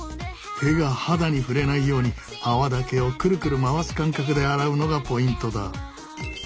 手が肌に触れないように泡だけをクルクル回す感覚で洗うのがポイントだ。